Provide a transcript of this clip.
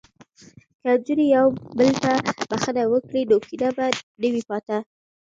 که نجونې یو بل ته بخښنه وکړي نو کینه به نه وي پاتې.